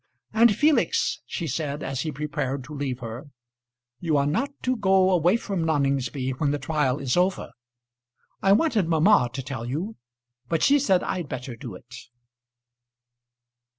"And Felix," she said, as he prepared to leave her, "you are not to go away from Noningsby when the trial is over. I wanted mamma to tell you, but she said I'd better do it."